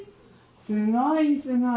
すごいすごい。